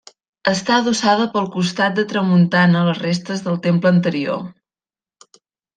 Està adossada pel costat de tramuntana a les restes del temple anterior.